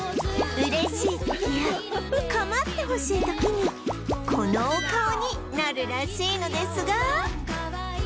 嬉しい時や構ってほしい時にこのお顔になるらしいのですが